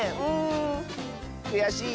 くやしい？